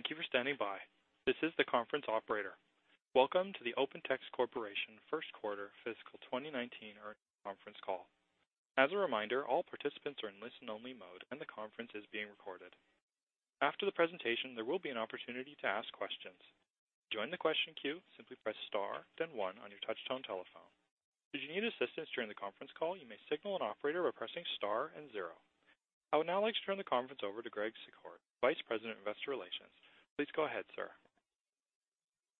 Thank you for standing by. This is the conference operator. Welcome to the Open Text Corporation first quarter fiscal 2019 earnings conference call. As a reminder, all participants are in listen only mode and the conference is being recorded. After the presentation, there will be an opportunity to ask questions. To join the question queue, simply press star then one on your touchtone telephone. If you need assistance during the conference call, you may signal an operator by pressing star and zero. I would now like to turn the conference over to Greg Secord, Vice President of Investor Relations. Please go ahead, sir.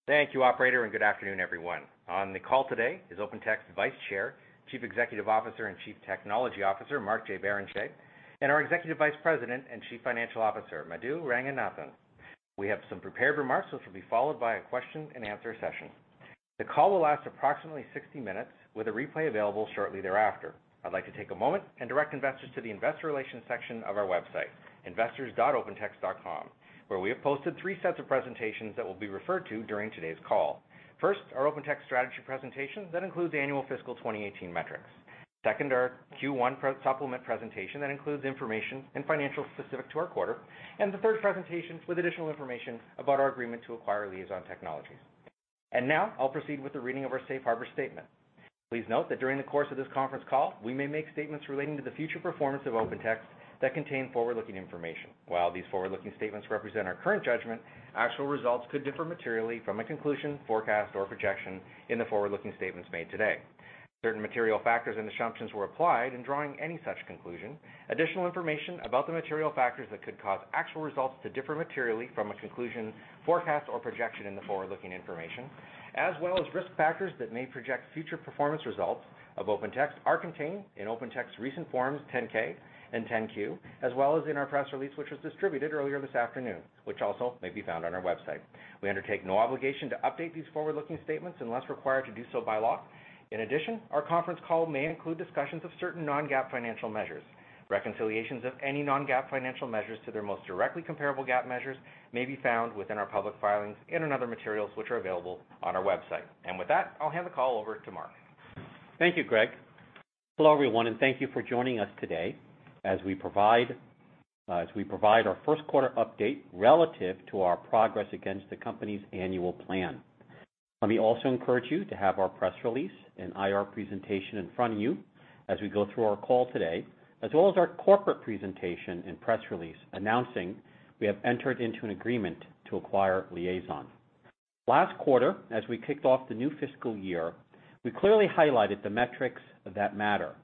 Thank you, operator, good afternoon, everyone. On the call today is Open Text Vice Chair, Chief Executive Officer, and Chief Technology Officer, Mark J. Barrenechea, and our Executive Vice President and Chief Financial Officer, Madhu Ranganathan. We have some prepared remarks, which will be followed by a question and answer session. The call will last approximately 60 minutes, with a replay available shortly thereafter. I'd like to take a moment and direct investors to the investor relations section of our website, investors.opentext.com, where we have posted three sets of presentations that will be referred to during today's call. First, our Open Text strategy presentation that includes annual fiscal 2018 metrics. Second, our Q1 supplement presentation that includes information and financials specific to our quarter. The third presentation with additional information about our agreement to acquire Liaison Technologies. Now I'll proceed with the reading of our safe harbor statement. Please note that during the course of this conference call, we may make statements relating to the future performance of Open Text that contain forward-looking information. While these forward-looking statements represent our current judgment, actual results could differ materially from a conclusion, forecast, or projection in the forward-looking statements made today. Certain material factors and assumptions were applied in drawing any such conclusion. Additional information about the material factors that could cause actual results to differ materially from a conclusion, forecast, or projection in the forward-looking information, as well as risk factors that may project future performance results of Open Text are contained in Open Text's recent forms 10-K and 10-Q, as well as in our press release, which was distributed earlier this afternoon, which also may be found on our website. We undertake no obligation to update these forward-looking statements unless required to do so by law. In addition, our conference call may include discussions of certain non-GAAP financial measures. Reconciliations of any non-GAAP financial measures to their most directly comparable GAAP measures may be found within our public filings and in other materials which are available on our website. With that, I'll hand the call over to Mark. Thank you, Greg. Hello, everyone. Thank you for joining us today as we provide our first quarter update relative to our progress against the company's annual plan. Let me also encourage you to have our press release and IR presentation in front of you as we go through our call today, as well as our corporate presentation and press release announcing we have entered into an agreement to acquire Liaison. Last quarter, as we kicked off the new fiscal year, we clearly highlighted the metrics that matter.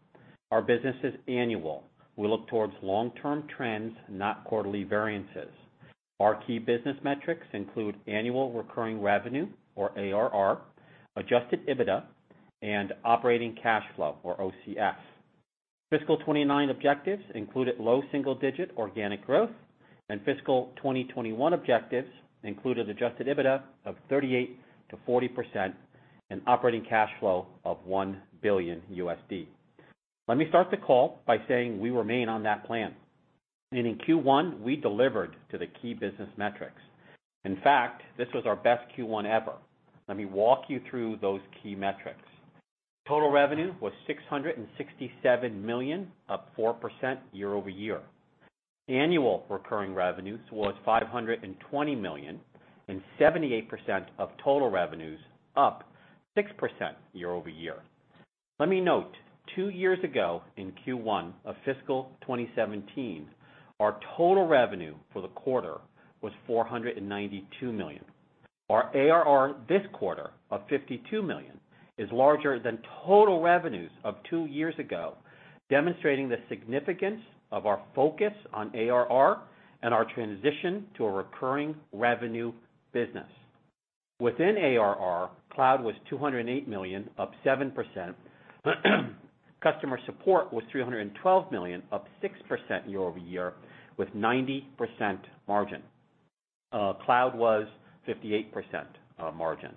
Our business is annual. We look towards long-term trends, not quarterly variances. Our key business metrics include annual recurring revenue, or ARR, adjusted EBITDA, and operating cash flow, or OCF. Fiscal 2019 objectives included low single-digit organic growth and fiscal 2021 objectives included adjusted EBITDA of 38%-40% and operating cash flow of $1 billion USD. Let me start the call by saying we remain on that plan. In Q1 we delivered to the key business metrics. In fact, this was our best Q1 ever. Let me walk you through those key metrics. Total revenue was $667 million, up 4% year-over-year. Annual recurring revenue was $520 million, 78% of total revenues, up 6% year-over-year. Let me note, two years ago in Q1 of fiscal 2017, our total revenue for the quarter was $492 million. Our ARR this quarter of $520 million is larger than total revenues of two years ago, demonstrating the significance of our focus on ARR and our transition to a recurring revenue business. Within ARR, cloud was $208 million, up 7%. Customer support was $312 million, up 6% year-over-year with 90% margin. Cloud was 58% margin.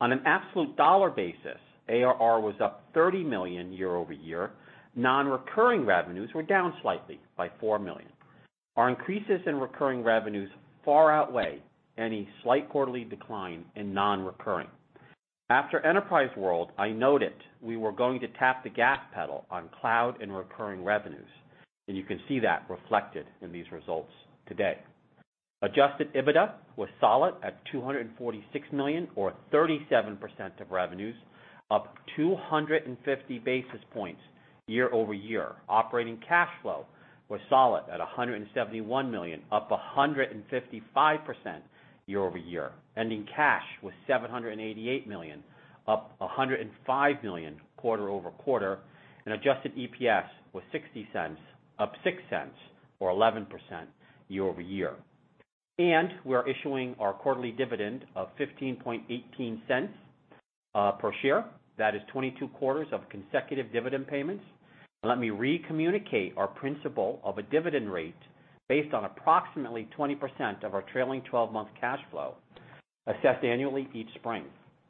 On an absolute dollar basis, ARR was up $30 million year-over-year. Non-recurring revenues were down slightly by $4 million. Our increases in recurring revenues far outweigh any slight quarterly decline in non-recurring. After Enterprise World, I noted we were going to tap the gas pedal on cloud and recurring revenues. You can see that reflected in these results today. Adjusted EBITDA was solid at $246 million, or 37% of revenues, up 250 basis points year-over-year. Operating cash flow was solid at $171 million, up 155% year-over-year. Ending cash was $788 million, up $105 million quarter-over-quarter. Adjusted EPS was $0.60, up $0.06 or 11% year-over-year. We are issuing our quarterly dividend of $0.1518 per share. That is 22 quarters of consecutive dividend payments. Let me re-communicate our principle of a dividend rate based on approximately 20% of our trailing 12-month cash flow, assessed annually each spring.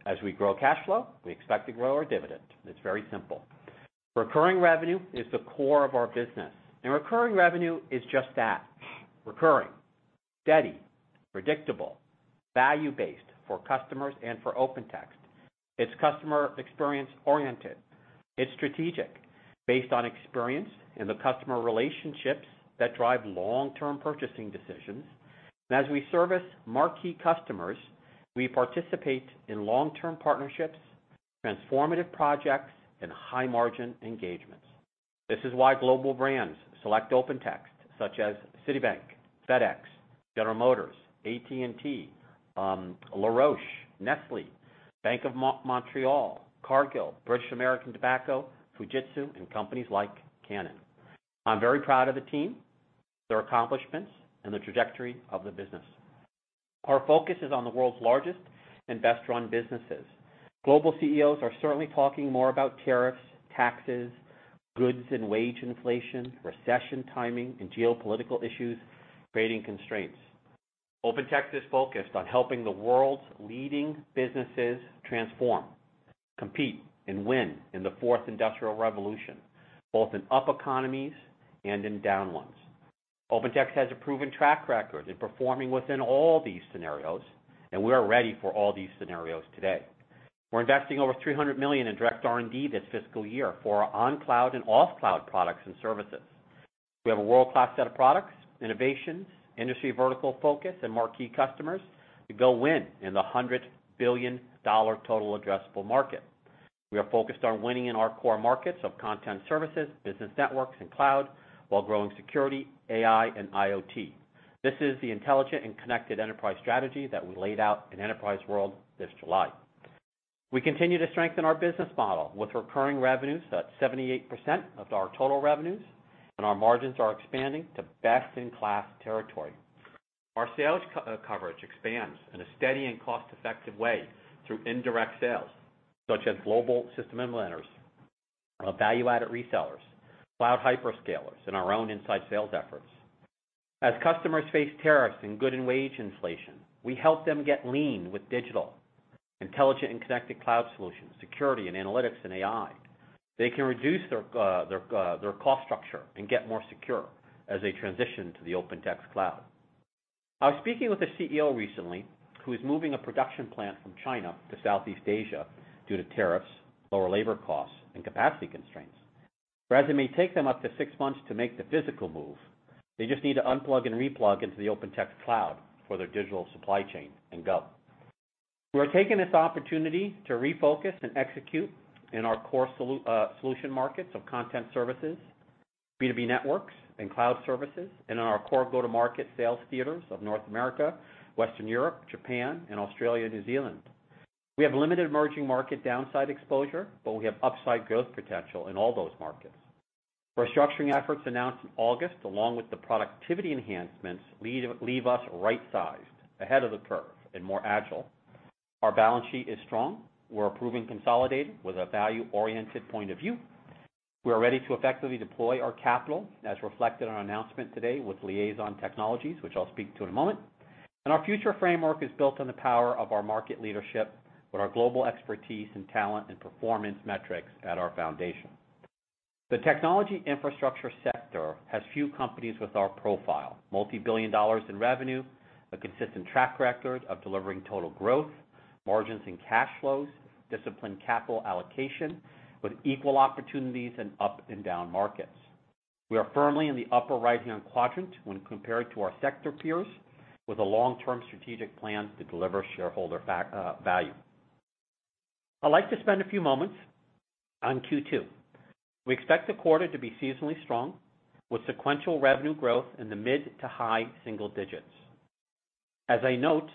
As we grow cash flow, we expect to grow our dividend. It's very simple. Recurring revenue is the core of our business. Recurring revenue is just that, recurring, steady, predictable. Value-based for customers and for OpenText. It's customer experience oriented. It's strategic, based on experience and the customer relationships that drive long-term purchasing decisions. As we service marquee customers, we participate in long-term partnerships, transformative projects, and high margin engagements. This is why global brands select OpenText, such as Citibank, FedEx, General Motors, AT&T, La Roche, Nestlé, Bank of Montreal, Cargill, British American Tobacco, Fujitsu, and companies like Canon. I'm very proud of the team, their accomplishments, and the trajectory of the business. Our focus is on the world's largest and best-run businesses. Global CEOs are certainly talking more about tariffs, taxes, goods and wage inflation, recession timing, and geopolitical issues, creating constraints. OpenText is focused on helping the world's leading businesses transform, compete, and win in the fourth industrial revolution, both in up economies and in down ones. OpenText has a proven track record in performing within all these scenarios, and we are ready for all these scenarios today. We're investing over $300 million in direct R&D this fiscal year for on-cloud and off-cloud products and services. We have a world-class set of products, innovations, industry vertical focus, and marquee customers to go win in the $100 billion total addressable market. We are focused on winning in our core markets of content services, business networks, and cloud, while growing security, AI, and IoT. This is the intelligent and connected enterprise strategy that we laid out in Enterprise World this July. We continue to strengthen our business model with recurring revenues at 78% of our total revenues. Our margins are expanding to best-in-class territory. Our sales coverage expands in a steady and cost-effective way through indirect sales, such as global system integrators, value-added resellers, cloud hyperscalers, and our own inside sales efforts. As customers face tariffs and good and wage inflation, we help them get lean with digital, intelligent and connected cloud solutions, security and analytics and AI. They can reduce their cost structure and get more secure as they transition to the OpenText Cloud. I was speaking with a CEO recently who is moving a production plant from China to Southeast Asia due to tariffs, lower labor costs, and capacity constraints. Whereas it may take them up to six months to make the physical move, they just need to unplug and replug into the OpenText Cloud for their digital supply chain and go. We're taking this opportunity to refocus and execute in our core solution markets of content services, B2B networks, and cloud services, and in our core go-to-market sales theaters of North America, Western Europe, Japan, and Australia, New Zealand. We have limited emerging market downside exposure. We have upside growth potential in all those markets. Restructuring efforts announced in August, along with the productivity enhancements, leave us right-sized, ahead of the curve, and more agile. Our balance sheet is strong. We're a proven consolidator with a value-oriented point of view. We are ready to effectively deploy our capital, as reflected in our announcement today with Liaison Technologies, which I'll speak to in a moment. Our future framework is built on the power of our market leadership with our global expertise and talent and performance metrics at our foundation. The technology infrastructure sector has few companies with our profile. Multi-billion dollars in revenue, a consistent track record of delivering total growth, margins and cash flows, disciplined capital allocation with equal opportunities in up and down markets. We are firmly in the upper right-hand quadrant when compared to our sector peers with a long-term strategic plan to deliver shareholder value. I'd like to spend a few moments on Q2. We expect the quarter to be seasonally strong with sequential revenue growth in the mid to high single digits. As I note,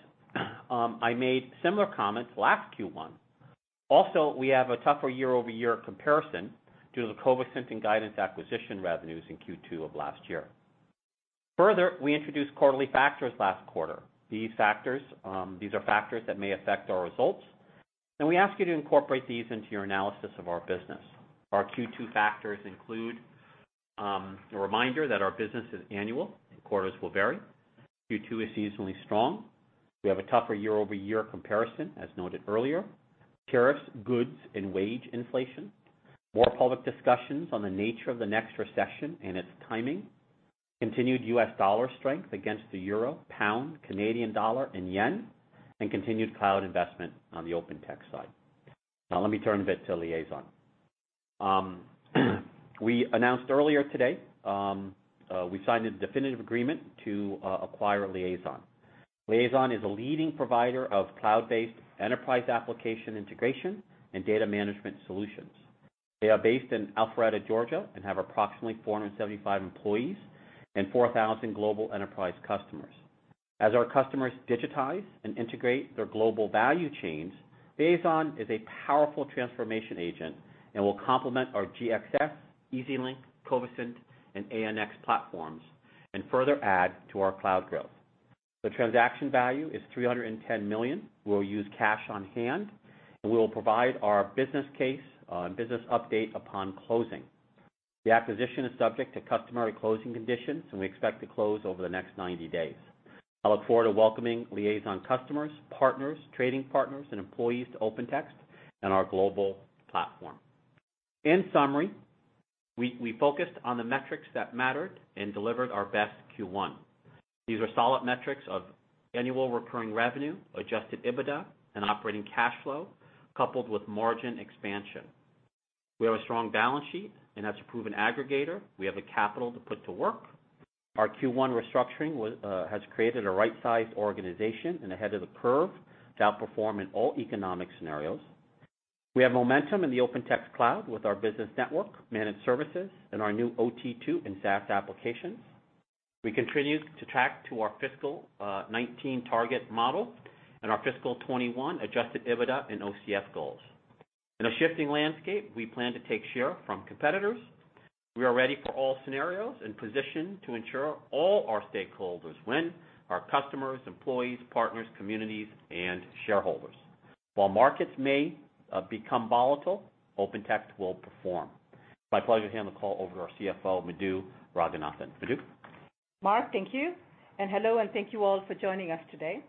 I made similar comments last Q1. Also, we have a tougher year-over-year comparison due to the Covisint and Guidance acquisition revenues in Q2 of last year. Further, we introduced quarterly factors last quarter. These are factors that may affect our results, and we ask you to incorporate these into your analysis of our business. Our Q2 factors include a reminder that our business is annual and quarters will vary. Q2 is seasonally strong. We have a tougher year-over-year comparison, as noted earlier. Tariffs, goods, and wage inflation. More public discussions on the nature of the next recession and its timing. Continued U.S. dollar strength against the euro, pound, Canadian dollar, and yen, and continued cloud investment on the OpenText side. Now let me turn a bit to Liaison. We announced earlier today we signed a definitive agreement to acquire Liaison. Liaison is a leading provider of cloud-based enterprise application integration and data management solutions. They are based in Alpharetta, Georgia, and have approximately 475 employees and 4,000 global enterprise customers. As our customers digitize and integrate their global value chains, Liaison is a powerful transformation agent and will complement our GXS, EasyLink, Covisint, and ANX platforms and further add to our cloud growth. The transaction value is $310 million. We'll use cash on hand. We will provide our business case on business update upon closing. The acquisition is subject to customary closing conditions, and we expect to close over the next 90 days. I look forward to welcoming Liaison customers, partners, trading partners, and employees to OpenText and our global platform. In summary. We focused on the metrics that mattered and delivered our best Q1. These are solid metrics of annual recurring revenue, adjusted EBITDA, and operating cash flow, coupled with margin expansion. We have a strong balance sheet, and as a proven aggregator, we have the capital to put to work. Our Q1 restructuring has created a right-sized organization and ahead of the curve to outperform in all economic scenarios. We have momentum in the OpenText Cloud with our business network, managed services, and our new OT2 and SaaS applications. We continue to track to our fiscal 2019 target model and our fiscal 2021 adjusted EBITDA and OCF goals. In a shifting landscape, we plan to take share from competitors. We are ready for all scenarios and positioned to ensure all our stakeholders win: our customers, employees, partners, communities, and shareholders. While markets may become volatile, OpenText will perform. It's my pleasure to hand the call over to our CFO, Madhu Ranganathan. Madhu? Mark, thank you. Hello, and thank you all for joining us today.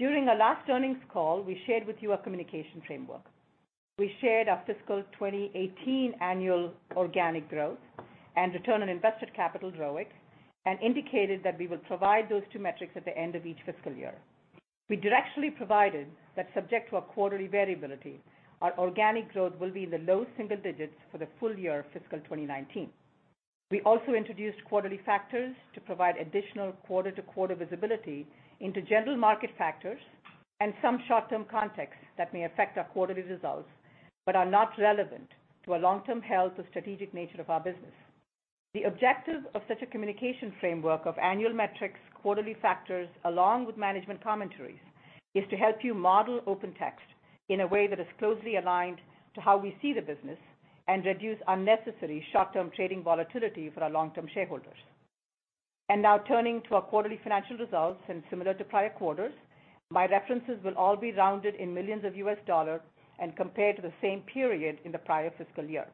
During our last earnings call, we shared with you a communication framework. We shared our fiscal 2018 annual organic growth and return on invested capital, ROIC, and indicated that we would provide those two metrics at the end of each fiscal year. We directionally provided that subject to our quarterly variability, our organic growth will be in the low single digits for the full year of fiscal 2019. We also introduced quarterly factors to provide additional quarter-to-quarter visibility into general market factors and some short-term contexts that may affect our quarterly results, but are not relevant to our long-term health or strategic nature of our business. The objective of such a communication framework of annual metrics, quarterly factors, along with management commentaries, is to help you model OpenText in a way that is closely aligned to how we see the business and reduce unnecessary short-term trading volatility for our long-term shareholders. Now turning to our quarterly financial results and similar to prior quarters, my references will all be rounded in millions of US dollars and compared to the same period in the prior fiscal year.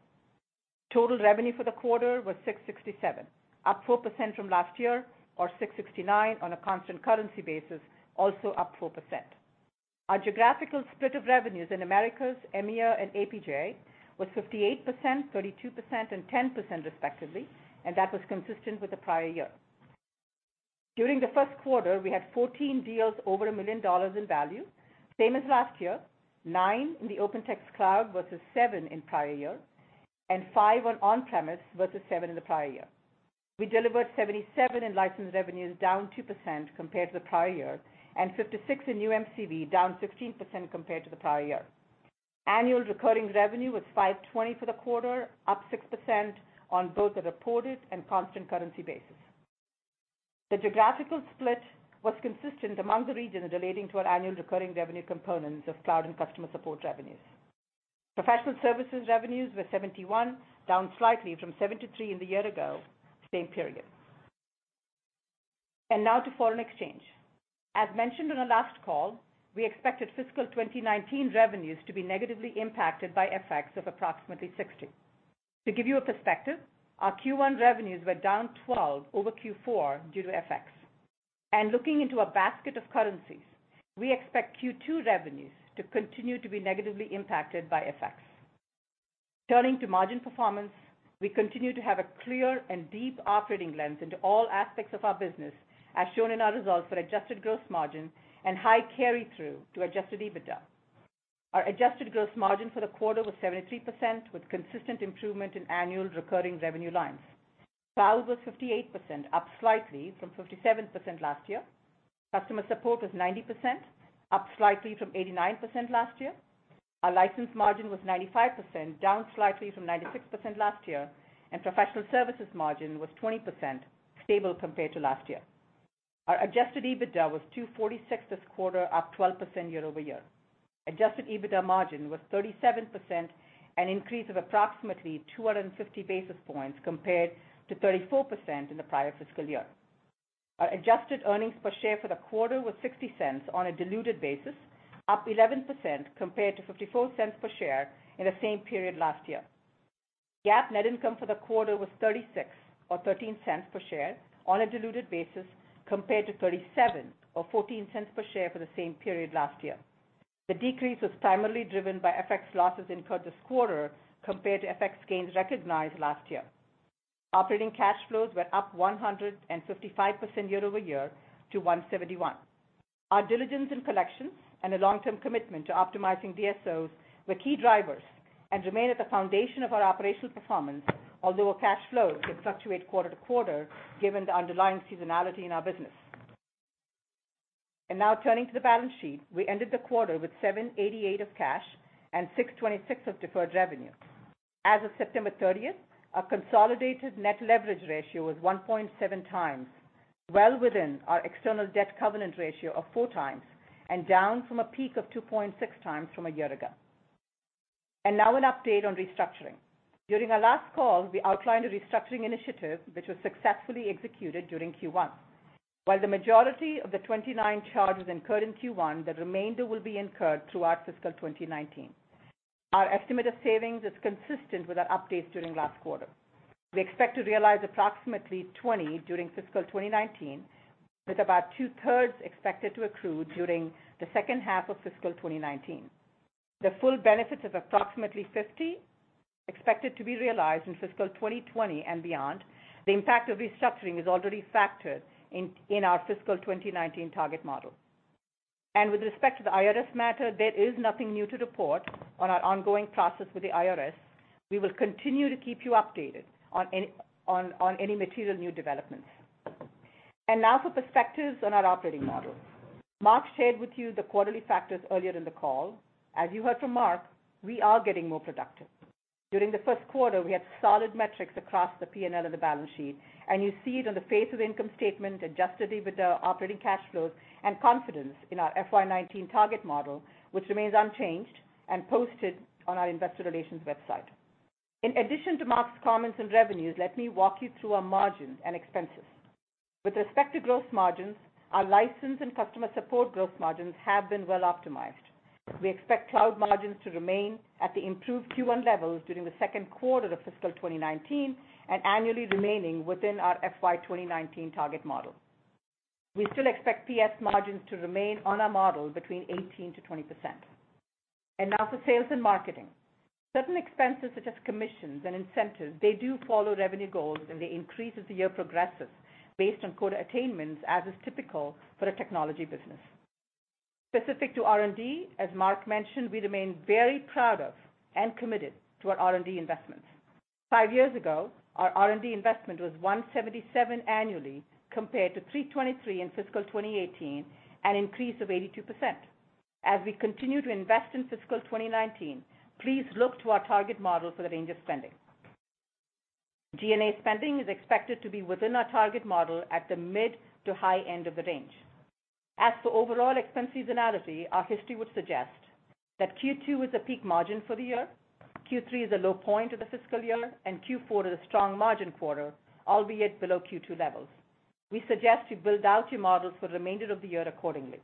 Total revenue for the quarter was $667 million, up 4% from last year or $669 million on a constant currency basis, also up 4%. Our geographical split of revenues in Americas, EMEA, and APJ was 58%, 32%, and 10% respectively. That was consistent with the prior year. During the first quarter, we had 14 deals over $1 million in value, same as last year, nine in the OpenText Cloud versus seven in prior year, and five were on-premise versus seven in the prior year. We delivered $77 million in licensed revenues, down 2% compared to the prior year, and $56 million in new MCV, down 15% compared to the prior year. Annual recurring revenue was $520 million for the quarter, up 6% on both a reported and constant currency basis. The geographical split was consistent among the regions relating to our annual recurring revenue components of Cloud and customer support revenues. Professional services revenues were $71 million, down slightly from $73 million in the year ago, same period. Now to foreign exchange. As mentioned on our last call, we expected fiscal 2019 revenues to be negatively impacted by FX of approximately $60 million. To give you a perspective, our Q1 revenues were down $12 million over Q4 due to FX. Looking into a basket of currencies, we expect Q2 revenues to continue to be negatively impacted by FX. Turning to margin performance, we continue to have a clear and deep operating lens into all aspects of our business as shown in our results for adjusted gross margin and high carry through to adjusted EBITDA. Our adjusted gross margin for the quarter was 73%, with consistent improvement in annual recurring revenue lines. Cloud was 58%, up slightly from 57% last year. Customer support was 90%, up slightly from 89% last year. Our license margin was 95%, down slightly from 96% last year, and professional services margin was 20%, stable compared to last year. Our adjusted EBITDA was $246 million this quarter, up 12% year-over-year. Adjusted EBITDA margin was 37%, an increase of approximately 250 basis points compared to 34% in the prior fiscal year. Our adjusted earnings per share for the quarter was $0.60 on a diluted basis, up 11% compared to $0.54 per share in the same period last year. GAAP net income for the quarter was $36 million or $0.13 per share on a diluted basis compared to $37 million or $0.14 per share for the same period last year. The decrease was primarily driven by FX losses incurred this quarter compared to FX gains recognized last year. Operating cash flows were up 155% year-over-year to $171 million. Our diligence in collections and a long-term commitment to optimizing DSOs were key drivers and remain at the foundation of our operational performance, although our cash flows can fluctuate quarter-to-quarter given the underlying seasonality in our business. Now turning to the balance sheet. We ended the quarter with $788 of cash and $626 of deferred revenue. As of September 30th, our consolidated net leverage ratio was 1.7x, well within our external debt covenant ratio of 4x and down from a peak of 2.6x from a year ago. Now an update on restructuring. During our last call, we outlined a restructuring initiative, which was successfully executed during Q1. While the majority of the $29 charges incurred in Q1, the remainder will be incurred throughout fiscal 2019. Our estimate of savings is consistent with our updates during last quarter. We expect to realize approximately $20 during fiscal 2019, with about two-thirds expected to accrue during the second half of fiscal 2019. The full benefits of approximately $50 expected to be realized in fiscal 2020 and beyond. The impact of restructuring is already factored in our fiscal 2019 target model. With respect to the IRS matter, there is nothing new to report on our ongoing process with the IRS. We will continue to keep you updated on any material new developments. Now for perspectives on our operating model. Mark shared with you the quarterly factors earlier in the call. As you heard from Mark, we are getting more productive. During the first quarter, we had solid metrics across the P&L and the balance sheet, and you see it on the face of the income statement, adjusted EBITDA, operating cash flows, and confidence in our FY 2019 target model, which remains unchanged and posted on our investor relations website. In addition to Mark's comments on revenues, let me walk you through our margins and expenses. With respect to gross margins, our license and customer support gross margins have been well optimized. We expect cloud margins to remain at the improved Q1 levels during the second quarter of fiscal 2019 and annually remaining within our FY 2019 target model. We still expect PS margins to remain on our model between 18%-20%. Now for sales and marketing. Certain expenses, such as commissions and incentives, they do follow revenue goals, and they increase as the year progresses based on quota attainments, as is typical for a technology business. Specific to R&D, as Mark mentioned, we remain very proud of and committed to our R&D investments. Five years ago, our R&D investment was $177 annually compared to $323 in fiscal 2018, an increase of 82%. As we continue to invest in fiscal 2019, please look to our target model for the range of spending. G&A spending is expected to be within our target model at the mid to high end of the range. As for overall expense seasonality, our history would suggest that Q2 is a peak margin for the year, Q3 is a low point of the fiscal year, and Q4 is a strong margin quarter, albeit below Q2 levels. We suggest you build out your models for the remainder of the year accordingly.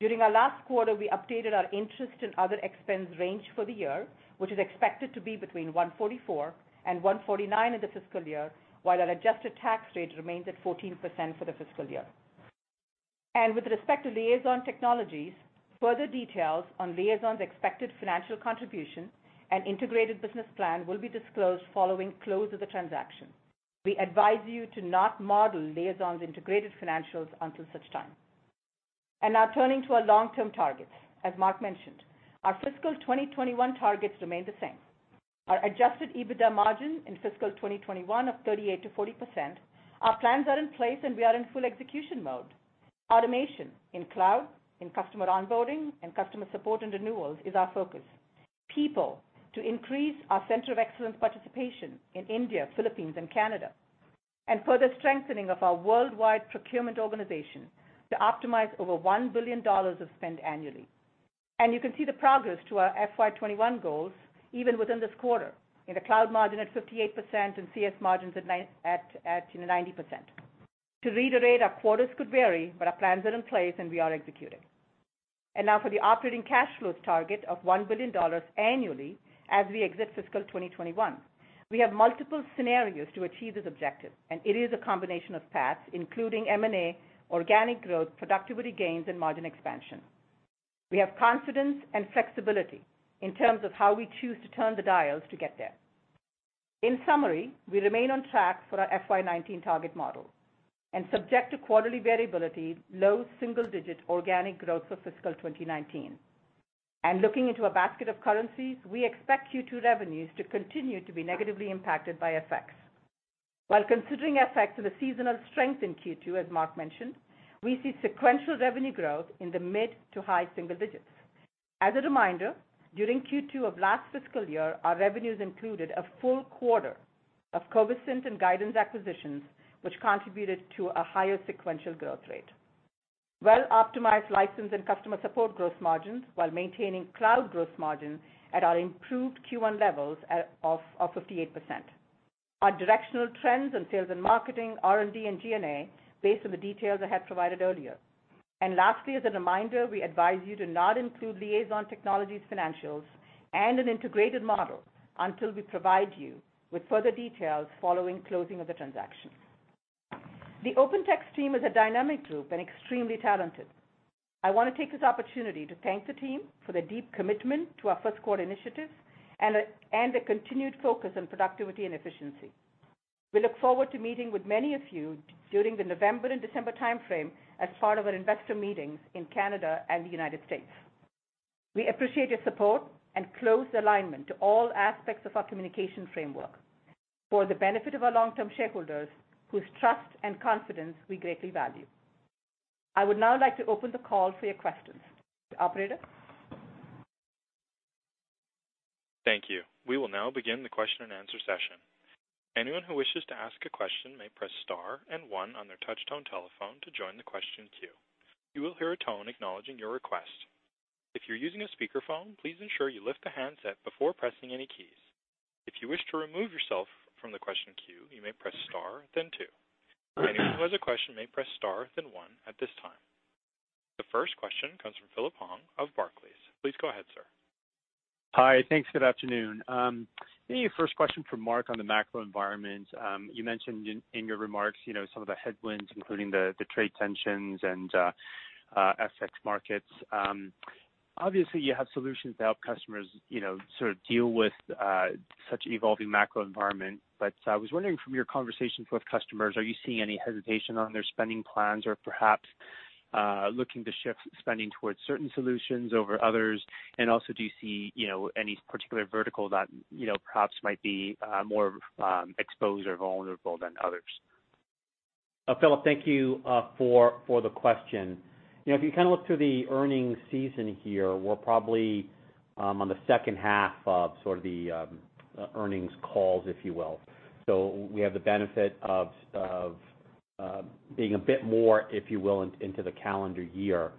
During our last quarter, we updated our interest and other expense range for the year, which is expected to be between $144 and $149 in the fiscal year, while our adjusted tax rate remains at 14% for the fiscal year. With respect to Liaison Technologies, further details on Liaison's expected financial contribution and integrated business plan will be disclosed following close of the transaction. We advise you to not model Liaison's integrated financials until such time. Turning to our long-term targets. As Mark mentioned, our fiscal 2021 targets remain the same. Our adjusted EBITDA margin in fiscal 2021 of 38%-40%. Our plans are in place, we are in full execution mode. Automation in cloud, in customer onboarding, and customer support and renewals is our focus. People to increase our center of excellence participation in India, Philippines, and Canada. Further strengthening of our worldwide procurement organization to optimize over $1 billion of spend annually. You can see the progress to our FY 2021 goals even within this quarter in the cloud margin at 58% and CS margins at 90%. To reiterate, our quarters could vary, but our plans are in place, and we are executing. Now for the operating cash flows target of $1 billion annually as we exit fiscal 2021. We have multiple scenarios to achieve this objective, it is a combination of paths, including M&A, organic growth, productivity gains, and margin expansion. We have confidence and flexibility in terms of how we choose to turn the dials to get there. In summary, we remain on track for our FY 2019 target model and subject to quarterly variability, low single-digit organic growth for fiscal 2019. Looking into a basket of currencies, we expect Q2 revenues to continue to be negatively impacted by FX. While considering FX as a seasonal strength in Q2, as Mark mentioned, we see sequential revenue growth in the mid to high single digits. As a reminder, during Q2 of last fiscal year, our revenues included a full quarter of Covisint and Guidance acquisitions, which contributed to a higher sequential growth rate. Well-optimized license and customer support growth margins while maintaining cloud growth margins at our improved Q1 levels of 58%. Our directional trends in sales and marketing, R&D, and G&A based on the details I had provided earlier. Lastly, as a reminder, we advise you to not include Liaison Technologies financials and an integrated model until we provide you with further details following closing of the transaction. The OpenText team is a dynamic group and extremely talented. I want to take this opportunity to thank the team for their deep commitment to our first quarter initiatives and a continued focus on productivity and efficiency. We look forward to meeting with many of you during the November and December timeframe as part of our investor meetings in Canada and the United States. We appreciate your support and close alignment to all aspects of our communication framework for the benefit of our long-term shareholders, whose trust and confidence we greatly value. I would now like to open the call for your questions. Operator? Thank you. We will now begin the question-and-answer session. Anyone who wishes to ask a question may press star and one on their touchtone telephone to join the question queue. You will hear a tone acknowledging your request. If you're using a speakerphone, please ensure you lift the handset before pressing any keys. If you wish to remove yourself from the question queue, you may press star, then two. Anyone who has a question may press star, then one at this time. The first question comes from Phillip Huang of Barclays. Please go ahead, sir. Hi. Thanks. Good afternoon. Maybe first question for Mark on the macro environment. You mentioned in your remarks some of the headwinds, including the trade tensions and FX markets. I was wondering from your conversations with customers, are you seeing any hesitation on their spending plans or perhaps looking to shift spending towards certain solutions over others? Also, do you see any particular vertical that perhaps might be more exposed or vulnerable than others? Phillip, thank you for the question. If you kind of look through the earnings season here, we're probably on the second half of sort of the earnings calls, if you will. We have the benefit of being a bit more, if you will, into the calendar year.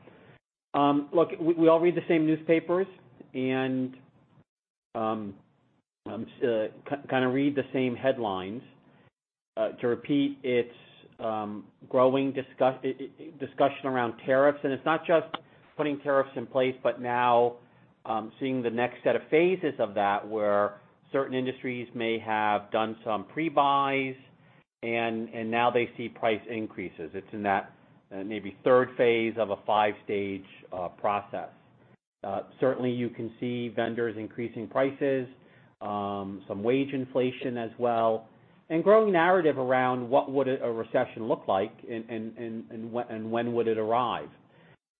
Look, we all read the same newspapers, kind of read the same headlines. To repeat, it's growing discussion around tariffs. It's not just putting tariffs in place, but now seeing the next set of phases of that, where certain industries may have done some pre-buys and now they see price increases. It's in that maybe third phase of a 5-stage process. Certainly, you can see vendors increasing prices, some wage inflation as well, growing narrative around what would a recession look like and when would it arrive.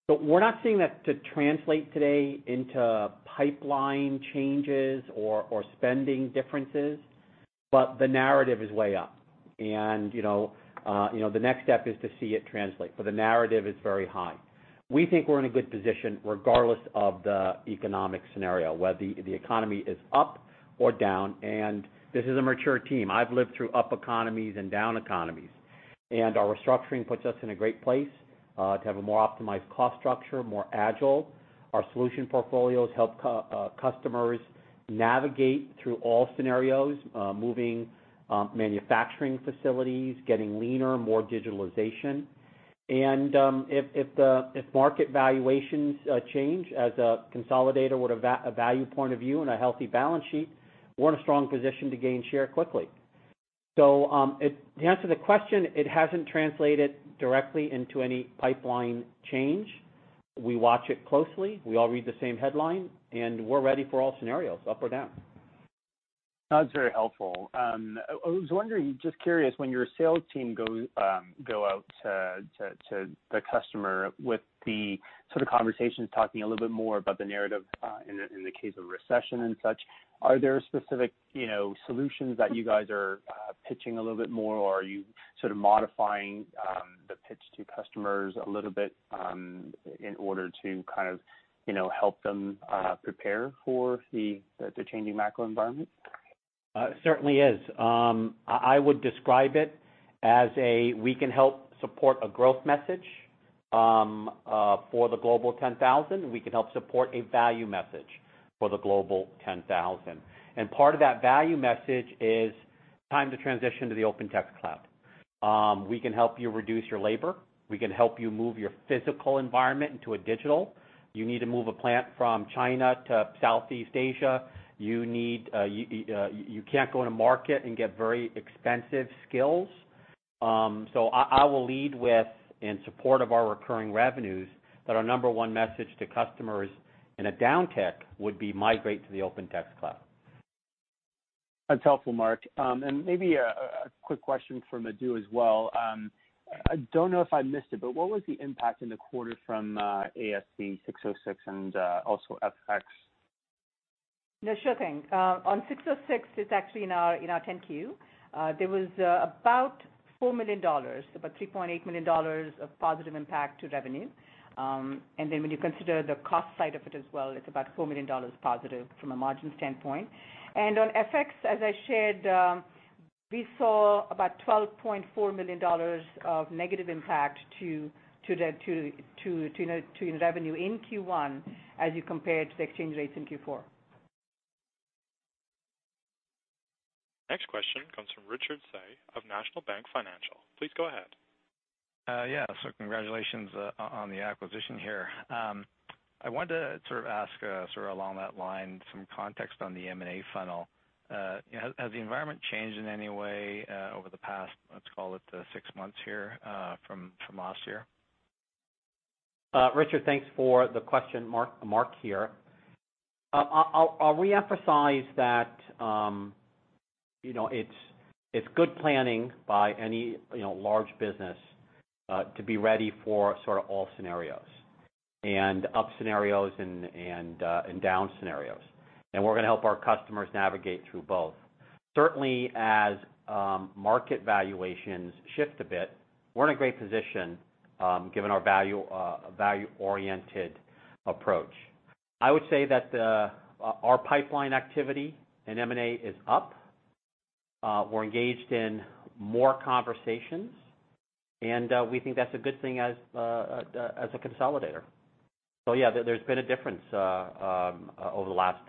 We're not seeing that to translate today into pipeline changes or spending differences. The narrative is way up. The next step is to see it translate. The narrative is very high. We think we're in a good position regardless of the economic scenario, whether the economy is up or down. This is a mature team. I've lived through up economies and down economies. Our restructuring puts us in a great place, to have a more optimized cost structure, more agile. Our solution portfolios help customers navigate through all scenarios, moving manufacturing facilities, getting leaner, more digitalization. If market valuations change as a consolidator with a value point of view and a healthy balance sheet, we're in a strong position to gain share quickly. To answer the question, it hasn't translated directly into any pipeline change. We watch it closely. We all read the same headline, we're ready for all scenarios, up or down. That's very helpful. I was wondering, just curious, when your sales team go out to the customer with the sort of conversations, talking a little bit more about the narrative, in the case of recession and such, are there specific solutions that you guys are pitching a little bit more, or are you sort of modifying the pitch to customers a little bit in order to kind of help them prepare for the changing macro environment? Certainly is. I would describe it as a we can help support a growth message for the Global 10,000. We can help support a value message for the Global 10,000. Part of that value message is time to transition to the OpenText Cloud. We can help you reduce your labor. We can help you move your physical environment into a digital. You need to move a plant from China to Southeast Asia. You can't go in a market and get very expensive skills. I will lead with, in support of our recurring revenues, that our number one message to customers in a down tick would be migrate to the OpenText Cloud. That's helpful, Mark. Maybe a quick question for Madhu as well. I don't know if I missed it, but what was the impact in the quarter from ASC 606 and also FX? Yeah, sure thing. On ASC 606, it's actually in our 10-Q. There was about $4 million, about $3.8 million of positive impact to revenue. When you consider the cost side of it as well, it's about $4 million positive from a margin standpoint. On FX, as I shared, we saw about $12.4 million of negative impact to revenue in Q1 as you compare it to the exchange rates in Q4. Next question comes from Richard Tse of National Bank Financial. Please go ahead. Yeah. Congratulations on the acquisition here. I wanted to sort of ask sort of along that line, some context on the M&A funnel. Has the environment changed in any way over the past, let's call it, six months here, from last year? Richard, thanks for the question. Mark here. I'll reemphasize that it's good planning by any large business to be ready for sort of all scenarios, and up scenarios and down scenarios. We're going to help our customers navigate through both. Certainly, as market valuations shift a bit, we're in a great position given our value-oriented approach. I would say that our pipeline activity in M&A is up. We're engaged in more conversations, we think that's a good thing as a consolidator. Yeah, there's been a difference over the last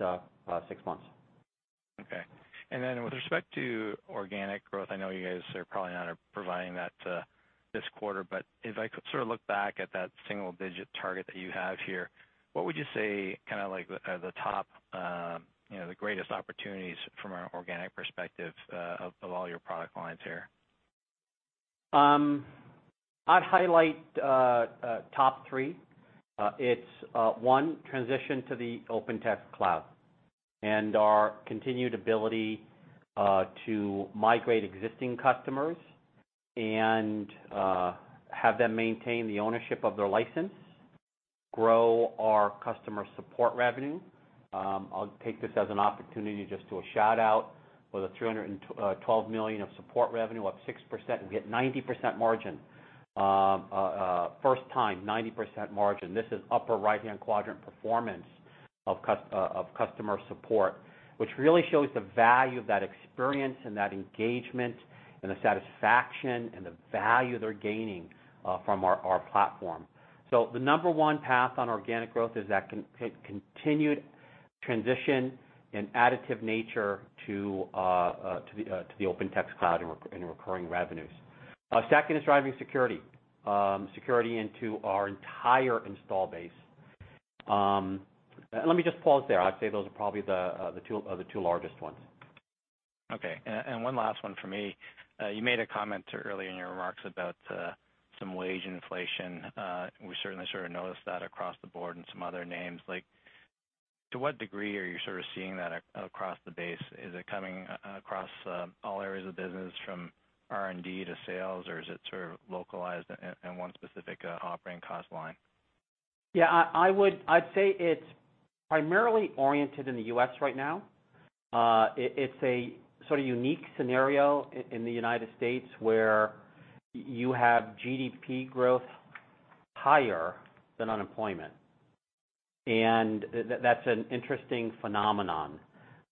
six months. Okay. Then with respect to organic growth, I know you guys are probably not providing that this quarter, if I could look back at that single-digit target that you have here, what would you say the greatest opportunities from an organic perspective of all your product lines here? I'd highlight top 3. It's 1, transition to the OpenText Cloud and our continued ability to migrate existing customers and have them maintain the ownership of their license, grow our customer support revenue. I'll take this as an opportunity just do a shout-out for the $312 million of support revenue, up 6%, and get 90% margin. First time, 90% margin. This is upper right-hand quadrant performance of customer support, which really shows the value of that experience and that engagement and the satisfaction and the value they're gaining from our platform. The number 1 path on organic growth is that continued transition and additive nature to the OpenText Cloud and recurring revenues. Second is driving security into our entire install base. Let me just pause there. I'd say those are probably the 2 largest ones. Okay. One last one from me. You made a comment earlier in your remarks about some wage inflation. We certainly noticed that across the board in some other names. To what degree are you seeing that across the base? Is it coming across all areas of the business, from R&D to sales, or is it localized in one specific operating cost line? Yeah. I'd say it's primarily oriented in the U.S. right now. It's a unique scenario in the United States where you have GDP growth higher than unemployment, that's an interesting phenomenon.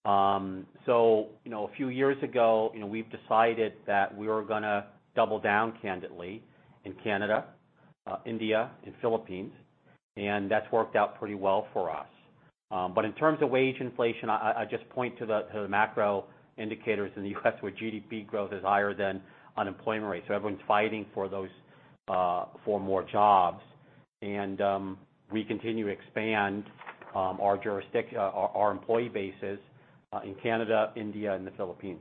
A few years ago, we've decided that we were going to double down candidly in Canada, India, and Philippines, that's worked out pretty well for us. In terms of wage inflation, I just point to the macro indicators in the U.S. where GDP growth is higher than unemployment rates. Everyone's fighting for more jobs, we continue to expand our employee bases in Canada, India, and Philippines.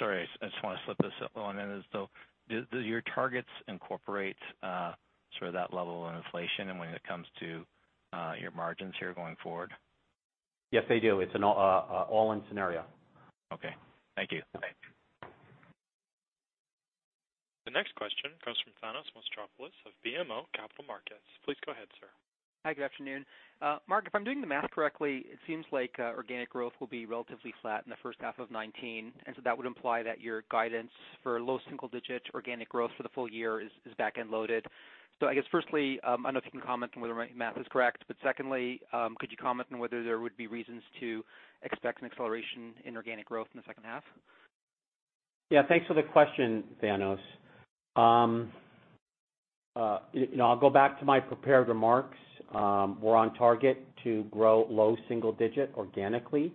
Sorry, I just want to slip this one in as though. Do your targets incorporate that level of inflation and when it comes to your margins here going forward? Yes, they do. It's an all-in scenario. Okay. Thank you. The next question comes from Thanos Moschopoulos of BMO Capital Markets. Please go ahead, sir. Hi, good afternoon. Mark, if I'm doing the math correctly, it seems like organic growth will be relatively flat in the first half of 2019, that would imply that your guidance for low single-digit organic growth for the full year is back-end loaded. I guess firstly, I don't know if you can comment on whether my math is correct, but secondly, could you comment on whether there would be reasons to expect an acceleration in organic growth in the second half? Yeah. Thanks for the question, Thanos. I'll go back to my prepared remarks. We're on target to grow low single digit organically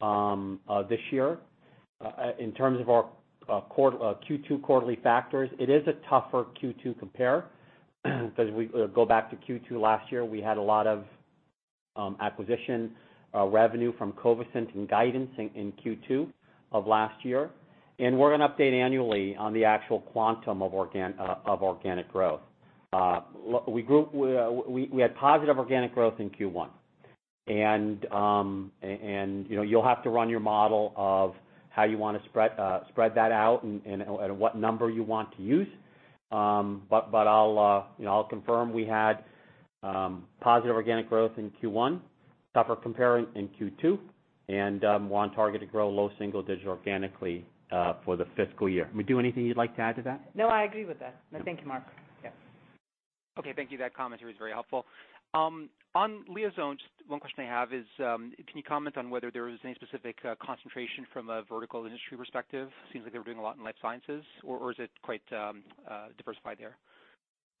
this year. In terms of our Q2 quarterly factors, it is a tougher Q2 compare because if we go back to Q2 last year, we had a lot of acquisition revenue from Covisint and Guidance in Q2 of last year, we're going to update annually on the actual quantum of organic growth. We had positive organic growth in Q1. You'll have to run your model of how you want to spread that out and what number you want to use. I'll confirm we had positive organic growth in Q1, tougher comparing in Q2, and we're on target to grow low single digit organically for the fiscal year. Madhu, anything you'd like to add to that? No, I agree with that. No, thank you, Mark. Yeah. Okay. Thank you. That commentary is very helpful. On Liaison, just one question I have is, can you comment on whether there is any specific concentration from a vertical industry perspective? Seems like they were doing a lot in life sciences, or is it quite diversified there?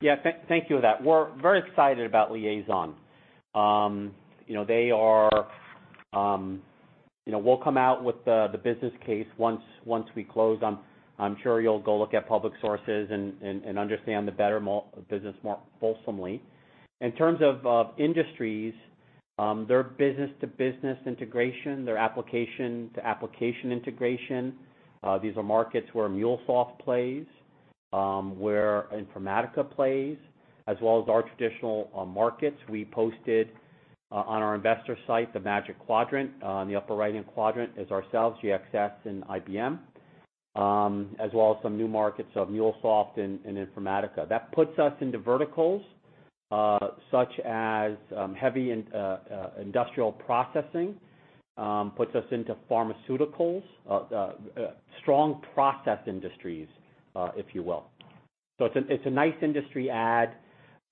Yeah. Thank you for that. We're very excited about Liaison. We'll come out with the business case once we close. I'm sure you'll go look at public sources and understand the business more fulsomely. In terms of industries, their business-to-business integration, their application-to-application integration, these are markets where MuleSoft plays, where Informatica plays, as well as our traditional markets. We posted on our investor site the magic quadrant. On the upper right-hand quadrant is ourselves, GXS, and IBM, as well as some new markets of MuleSoft and Informatica. That puts us into verticals such as heavy industrial processing, puts us into pharmaceuticals, strong process industries, if you will. It's a nice industry add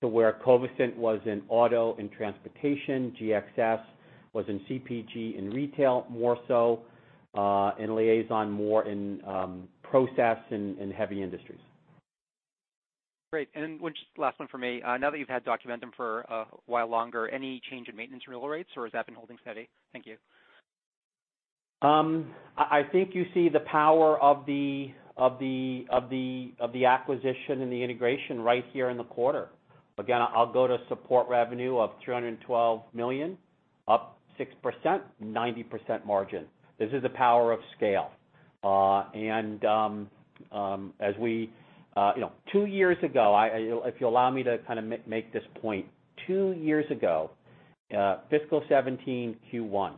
to where Covisint was in auto and transportation, GXS was in CPG and retail more so, and Liaison more in process and heavy industries. Great. Just last one from me. Now that you've had Documentum for a while longer, any change in maintenance renewal rates, or has that been holding steady? Thank you. I think you see the power of the acquisition and the integration right here in the quarter. Again, I'll go to support revenue of $312 million, up 6%, 90% margin. This is the power of scale. Two years ago, if you allow me to kind of make this point. Two years ago, fiscal 2017 Q1,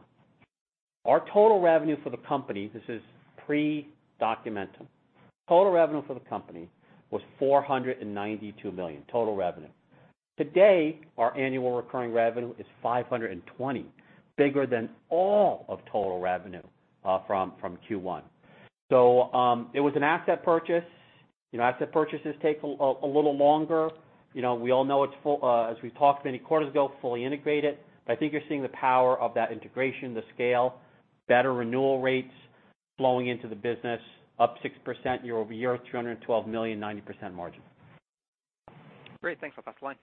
our total revenue for the company, this is pre-Documentum. Total revenue for the company was $492 million. Total revenue. Today, our annual recurring revenue is $520, bigger than all of total revenue, from Q1. It was an asset purchase. Asset purchases take a little longer. We all know, as we've talked many quarters ago, fully integrated. I think you're seeing the power of that integration, the scale, better renewal rates flowing into the business, up 6% year-over-year, $312 million, 90% margin. Great. Thanks. I'll pass the line.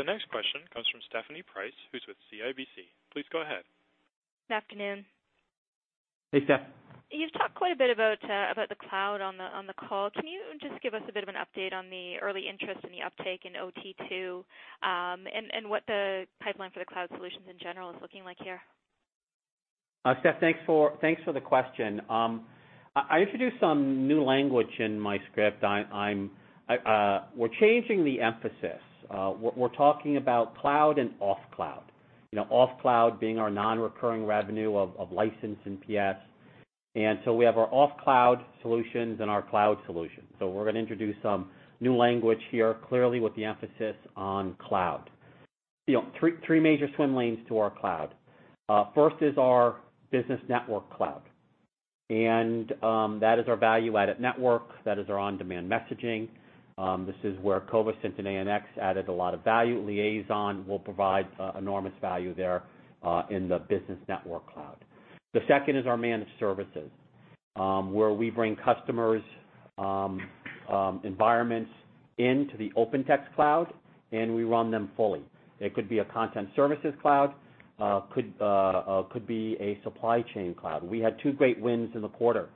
The next question comes from Stephanie Price, who's with CIBC. Please go ahead. Good afternoon. Hey, Steph. You've talked quite a bit about the cloud on the call. Can you just give us a bit of an update on the early interest in the uptake in OT2, and what the pipeline for the cloud solutions in general is looking like here? Steph, thanks for the question. I introduced some new language in my script. We're changing the emphasis. We're talking about cloud and off cloud. Off cloud being our non-recurring revenue of license and PS. We have our off cloud solutions and our cloud solutions. We're going to introduce some new language here, clearly with the emphasis on cloud. Three major swim lanes to our cloud. First is our business network cloud. That is our value-added network. That is our on-demand messaging. This is where Covisint and ANX added a lot of value. Liaison will provide enormous value there, in the business network cloud. The second is our managed services, where we bring customers' environments into the OpenText Cloud, and we run them fully. It could be a content services cloud, could be a supply chain cloud. We had two great wins in the quarter.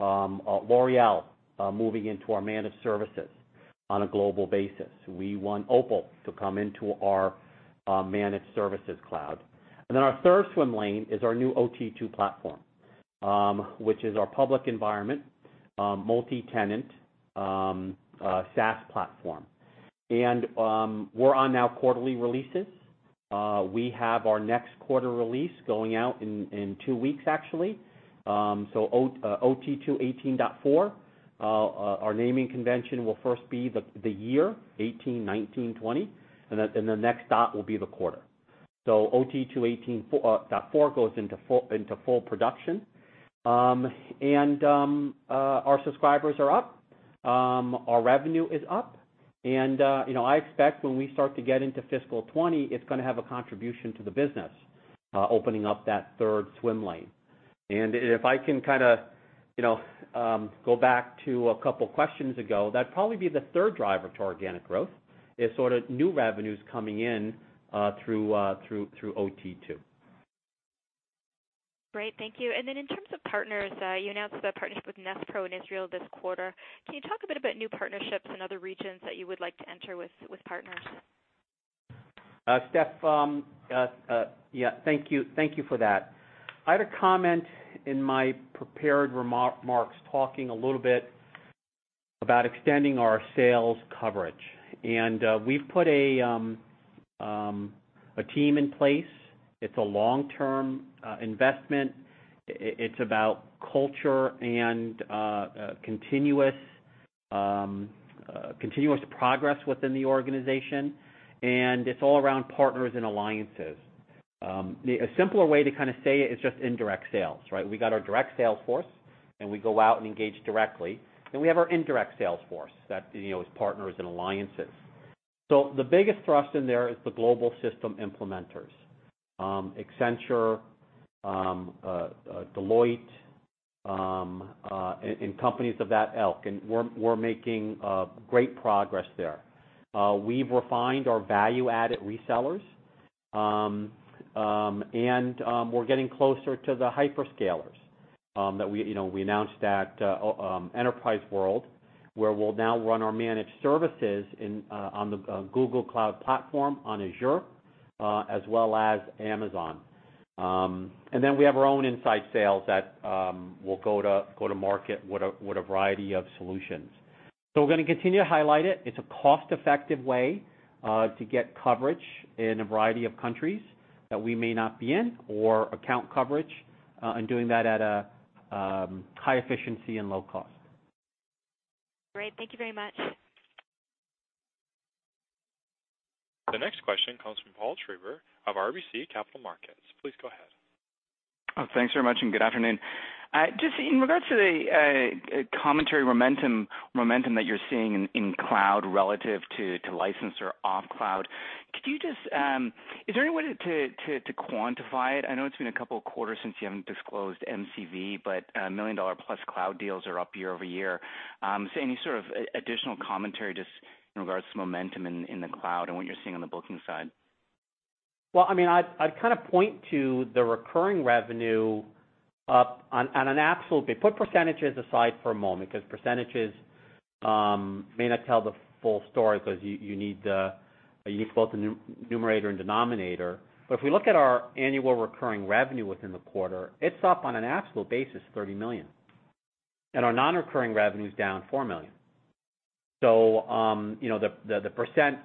L'Oréal, moving into our managed services on a global basis. We won Opal to come into our managed services cloud. Our third swim lane is our new OT2 platform, which is our public environment, multi-tenant, SaaS platform. We're on now quarterly releases. We have our next quarter release going out in two weeks, actually. OT2 18.4. Our naming convention will first be the year, '18, '19, '20, then the next dot will be the quarter. OT2 18.4 goes into full production. Our subscribers are up, our revenue is up, I expect when we start to get into FY 2020, it's going to have a contribution to the business, opening up that third swim lane. If I can go back to a couple questions ago, that'd probably be the third driver to organic growth, is sort of new revenues coming in, through OT2. Great. Thank you. In terms of partners, you announced a partnership with NessPRO in Israel this quarter. Can you talk a bit about new partnerships in other regions that you would like to enter with partners? Steph, thank you for that. I had a comment in my prepared remarks talking a little bit about extending our sales coverage. We've put a team in place. It's a long-term investment. It's about culture and continuous progress within the organization, it's all around partners and alliances. A simpler way to kind of say it is just indirect sales, right? We got our direct sales force, we go out and engage directly. We have our indirect sales force. That is partners and alliances. The biggest thrust in there is the global system implementers. Accenture, Deloitte, and companies of that ilk, we're making great progress there. We've refined our value-added resellers. We're getting closer to the hyperscalers that we announced at Enterprise World, where we'll now run our managed services on the Google Cloud platform, on Azure, as well as Amazon. We have our own inside sales that will go to market with a variety of solutions. We're going to continue to highlight it. It's a cost-effective way to get coverage in a variety of countries that we may not be in or account coverage, and doing that at a high efficiency and low cost. Great. Thank you very much. The next question comes from Paul Treiber of RBC Capital Markets. Please go ahead. Thanks very much, good afternoon. Just in regards to the commentary momentum that you're seeing in cloud relative to license or off cloud? Is there any way to quantify it? I know it's been a couple of quarters since you haven't disclosed MCV, but $1 million-plus cloud deals are up year-over-year. Any sort of additional commentary just in regards to momentum in the cloud and what you're seeing on the booking side? Well, I'd point to the recurring revenue up on an absolute. Put percentages aside for a moment, because percentages may not tell the full story because you need both the numerator and denominator. If we look at our annual recurring revenue within the quarter, it's up on an absolute basis, $30 million. Our non-recurring revenue is down $4 million. The percent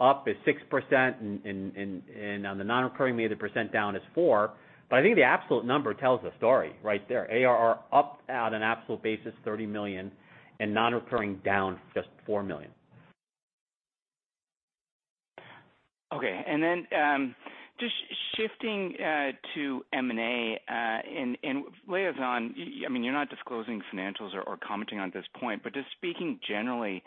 up is 6%, and on the non-recurring, maybe the percent down is 4%. I think the absolute number tells the story right there. ARR up at an absolute basis, $30 million, and non-recurring down just $4 million. Okay. Just shifting to M&A, and Liaison, you're not disclosing financials or commenting on at this point. Just speaking generally,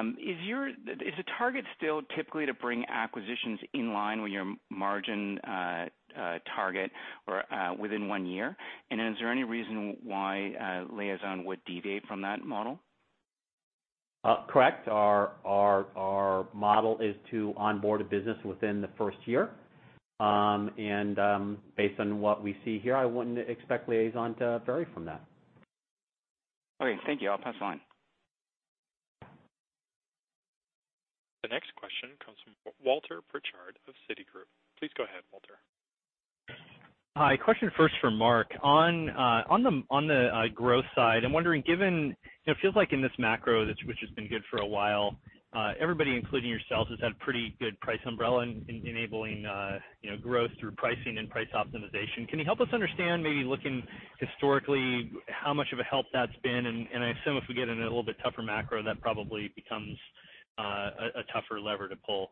is the target still typically to bring acquisitions in line with your margin target or within one year? Is there any reason why Liaison would deviate from that model? Correct. Our model is to onboard a business within the first year. Based on what we see here, I wouldn't expect Liaison to vary from that. Okay, thank you. I'll pass on. The next question comes from Walter Pritchard of Citigroup. Please go ahead, Walter. Hi. Question first for Mark. On the growth side, I'm wondering, given it feels like in this macro, which has been good for a while, everybody, including yourselves, has had pretty good price umbrella in enabling growth through pricing and price optimization. Can you help us understand, maybe looking historically, how much of a help that's been? I assume if we get in a little bit tougher macro, that probably becomes a tougher lever to pull.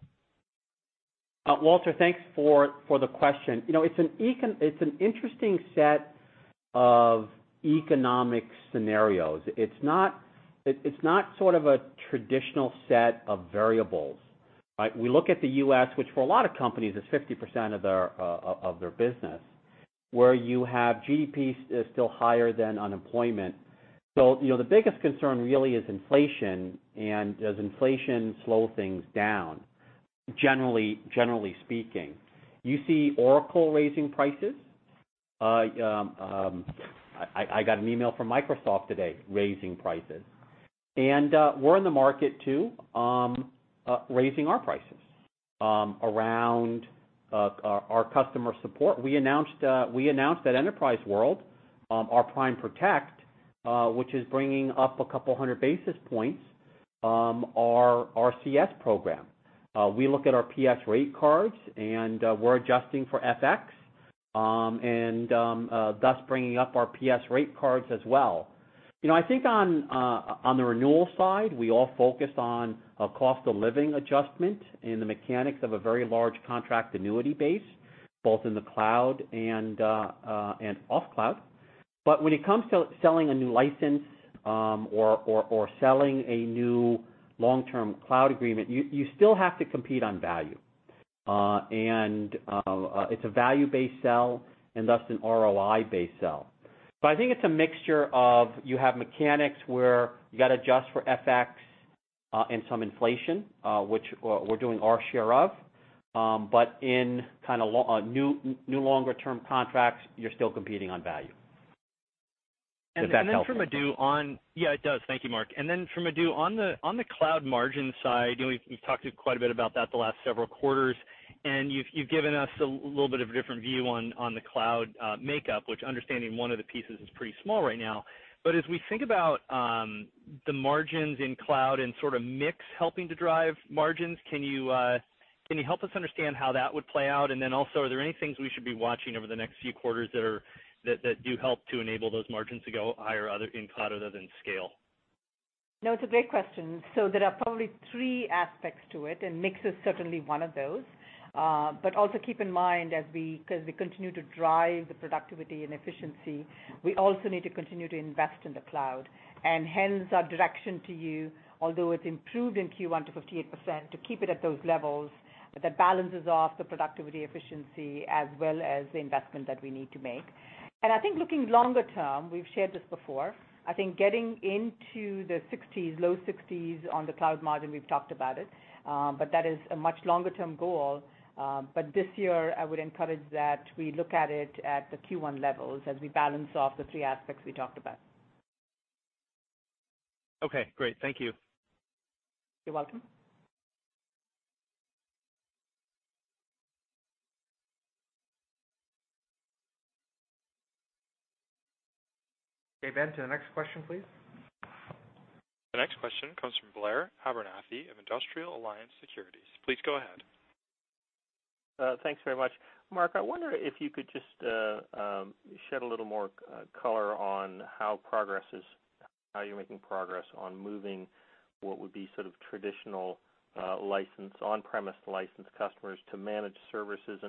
Walter, thanks for the question. It's an interesting set of economic scenarios. It's not sort of a traditional set of variables, right? We look at the U.S., which for a lot of companies is 50% of their business, where you have GDP is still higher than unemployment. The biggest concern really is inflation, and does inflation slow things down? Generally speaking. You see Oracle raising prices. I got an email from Microsoft today, raising prices. We're in the market too, raising our prices around our customer support. We announced at Enterprise World, our Prime Protect, which is bringing up a couple of 100 basis points our CS program. We look at our PS rate cards, we're adjusting for FX, thus bringing up our PS rate cards as well. I think on the renewal side, we all focus on a cost of living adjustment and the mechanics of a very large contract annuity base, both in the cloud and off cloud. When it comes to selling a new license or selling a new long-term cloud agreement, you still have to compete on value. It's a value-based sell and thus an ROI-based sell. I think it's a mixture of you have mechanics where you got to adjust for FX and some inflation, which we're doing our share of. In new longer-term contracts, you're still competing on value. Did that help? Yeah, it does. Thank you, Mark. For Madhu, on the cloud margin side, we've talked quite a bit about that the last several quarters, you've given us a little bit of a different view on the cloud makeup, which understanding one of the pieces is pretty small right now. As we think about the margins in cloud and sort of mix helping to drive margins, can you help us understand how that would play out? Are there any things we should be watching over the next few quarters that do help to enable those margins to go higher in cloud other than scale? No, it's a great question. There are probably three aspects to it, mix is certainly one of those. Also keep in mind, because we continue to drive the productivity and efficiency, we also need to continue to invest in the cloud. Our direction to you, although it's improved in Q1 to 58%, to keep it at those levels that balances off the productivity efficiency as well as the investment that we need to make. I think looking longer term, we've shared this before, I think getting into the 60s, low 60s on the cloud margin, we've talked about it. That is a much longer-term goal. This year, I would encourage that we look at it at the Q1 levels as we balance off the three aspects we talked about. Okay, great. Thank you. You're welcome. Okay, [Ben], to the next question, please. The next question comes from Blair Abernethy of Industrial Alliance Securities. Please go ahead. Thanks very much. Mark, I wonder if you could just shed a little more color on how you're making progress on moving what would be sort of traditional on-premise licensed customers to managed services,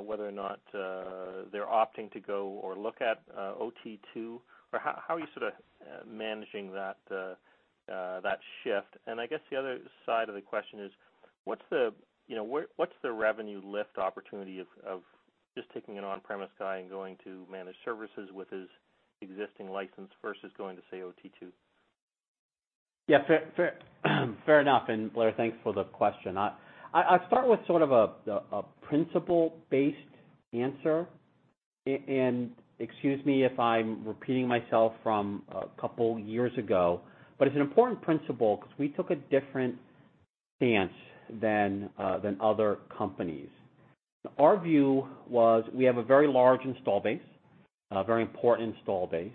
whether or not they're opting to go or look at OT2, or how are you managing that shift? I guess the other side of the question is what's the revenue lift opportunity of just taking an on-premise guy and going to managed services with his existing license versus going to, say, OT2? Yeah. Fair enough. Blair, thanks for the question. I'll start with sort of a principle-based answer. Excuse me if I'm repeating myself from a couple years ago, but it's an important principle because we took a different stance than other companies. Our view was we have a very large install base, a very important install base.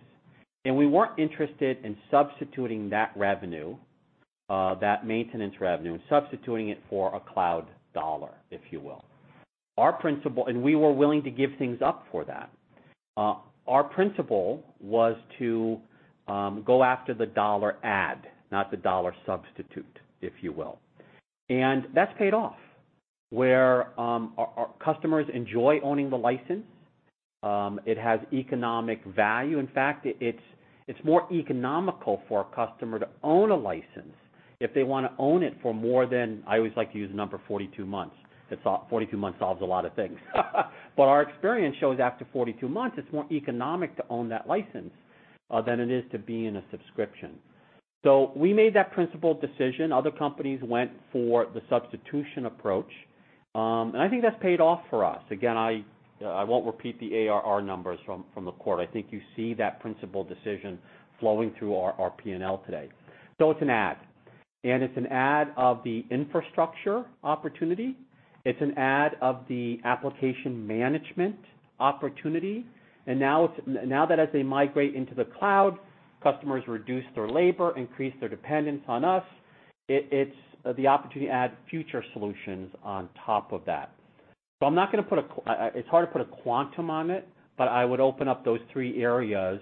We weren't interested in substituting that revenue, that maintenance revenue, substituting it for a cloud dollar, if you will. We were willing to give things up for that. Our principle was to go after the dollar add, not the dollar substitute, if you will. That's paid off. Where our customers enjoy owning the license. It has economic value. In fact, it's more economical for a customer to own a license if they want to own it for more than, I always like to use the number 42 months. 42 months solves a lot of things. Our experience shows after 42 months, it's more economic to own that license than it is to be in a subscription. We made that principled decision. Other companies went for the substitution approach. I think that's paid off for us. Again, I won't repeat the ARR numbers from the quarter. I think you see that principled decision flowing through our P&L today. It's an add, it's an add of the infrastructure opportunity. It's an add of the application management opportunity. Now that as they migrate into the cloud, customers reduce their labor, increase their dependence on us. It's the opportunity to add future solutions on top of that. It's hard to put a quantum on it, but I would open up those three areas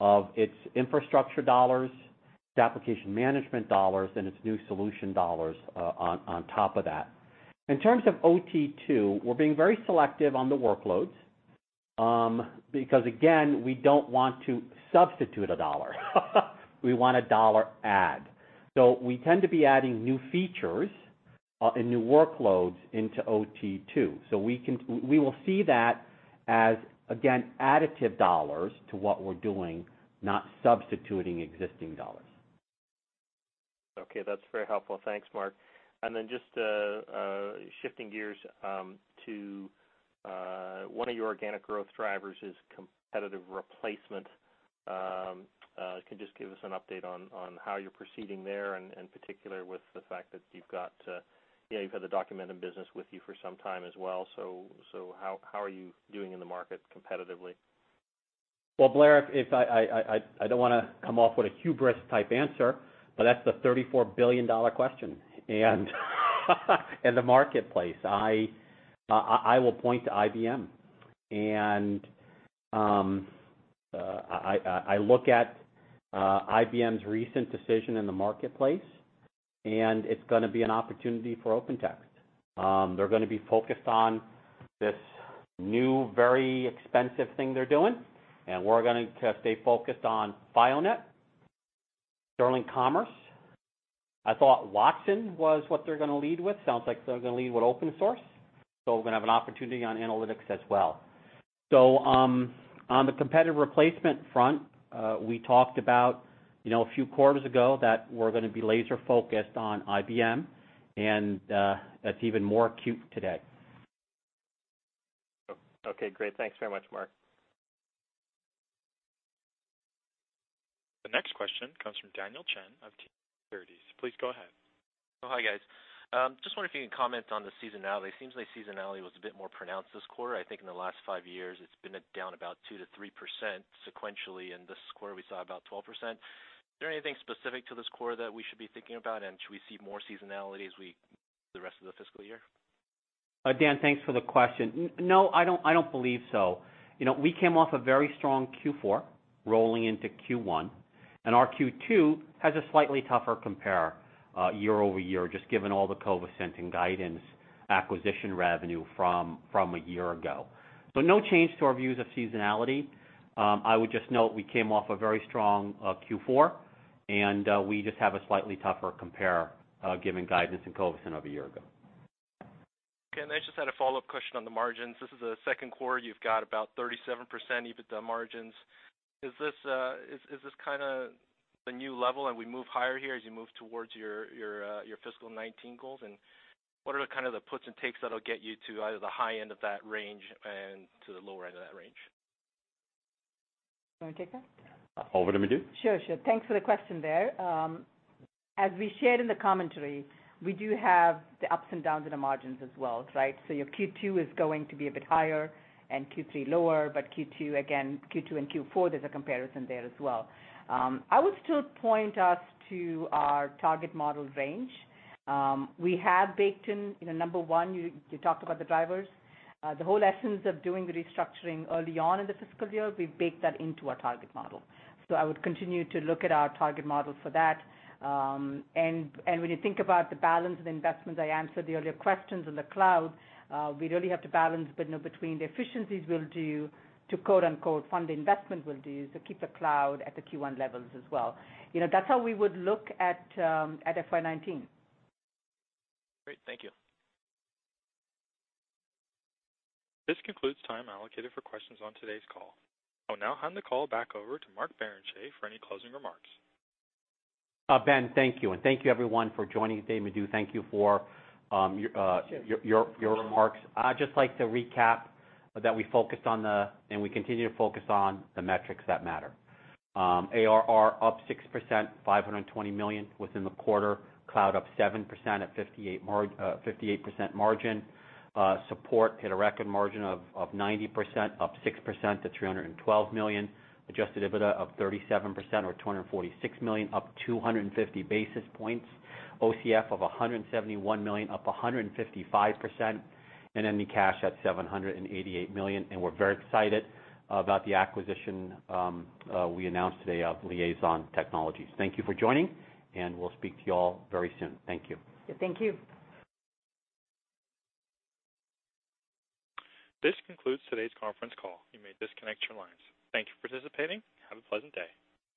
of its infrastructure dollars, its application management dollars, and its new solution dollars on top of that. In terms of OT2, we're being very selective on the workloads. Again, we don't want to substitute a dollar. We want a dollar add. We tend to be adding new features and new workloads into OT2. We will see that as, again, additive dollars to what we're doing, not substituting existing dollars. Okay. That's very helpful. Thanks, Mark. Just shifting gears to one of your organic growth drivers is competitive replacement. Can you just give us an update on how you're proceeding there, and in particular with the fact that you've had the Documentum business with you for some time as well. How are you doing in the market competitively? Well, Blair, I don't want to come off with a hubris type answer, but that's the $34 billion question in the marketplace. I will point to IBM. I look at IBM's recent decision in the marketplace, it's going to be an opportunity for OpenText. They're going to be focused on this new, very expensive thing they're doing, we're going to stay focused on FileNet, Sterling Commerce. I thought Watson was what they're going to lead with. Sounds like they're going to lead with open source. We're going to have an opportunity on analytics as well. On the competitive replacement front, we talked about a few quarters ago that we're going to be laser-focused on IBM, that's even more acute today. Okay, great. Thanks very much, Mark. The next question comes from Daniel Chan of TD Securities. Please go ahead. Oh, hi guys. Just wonder if you can comment on the seasonality. It seems like seasonality was a bit more pronounced this quarter. I think in the last five years it's been down about 2%-3% sequentially, and this quarter we saw about 12%. Is there anything specific to this quarter that we should be thinking about, and should we see more seasonality as the rest of the fiscal year? Dan, thanks for the question. No, I don't believe so. We came off a very strong Q4 rolling into Q1, and our Q2 has a slightly tougher compare year-over-year, just given all the Covisint and Guidance acquisition revenue from a year ago. No change to our views of seasonality. I would just note we came off a very strong Q4, and we just have a slightly tougher compare given Guidance in Covisint of a year ago. I just had a follow-up question on the margins. This is the second quarter you've got about 37% EBITDA margins. Is this kind of the new level and we move higher here as you move towards your fiscal 2019 goals? What are kind of the puts and takes that'll get you to either the high end of that range and to the lower end of that range? You want me to take that? Over to Madhu. Sure. Thanks for the question, Dan. As we shared in the commentary, we do have the ups and downs in the margins as well, right? Your Q2 is going to be a bit higher and Q3 lower, but Q2, again, Q2 and Q4, there's a comparison there as well. I would still point us to our target model range. We have baked in, number one, you talked about the drivers. The whole essence of doing the restructuring early on in the fiscal year, we've baked that into our target model. I would continue to look at our target model for that. When you think about the balance of the investments, I answered the earlier questions in the cloud. We really have to balance between the efficiencies we'll do to quote, unquote, "Fund the investment we'll do to keep the cloud at the Q1 levels as well." That's how we would look at FY 2019. Great. Thank you. This concludes time allocated for questions on today's call. I'll now hand the call back over to Mark Barrenechea for any closing remarks. Ben, thank you, and thank you everyone for joining. Madhu, thank you for your remarks. I'd just like to recap that we focused on the, and we continue to focus on, the metrics that matter. ARR up 6%, $520 million within the quarter. Cloud up 7% at 58% margin. Support hit a record margin of 90%, up 6% to $312 million. Adjusted EBITDA up 37% or $246 million, up 250 basis points. OCF of $171 million, up 155%, and ending cash at $788 million. We're very excited about the acquisition we announced today of Liaison Technologies. Thank you for joining, and we'll speak to you all very soon. Thank you. Yeah. Thank you. This concludes today's conference call. You may disconnect your lines. Thank you for participating. Have a pleasant day.